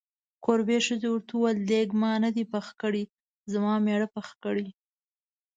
کوربې ښځې ورته وویل: دیګ ما نه دی پوخ کړی، زما میړه پوخ کړی.